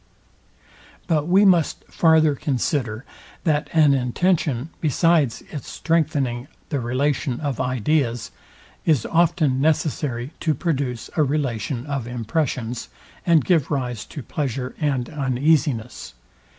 But we must farther consider, that an intention, besides its strengthening the relation of ideas, is often necessary to produce a relation of impressions, and give rise to pleasure and uneasiness.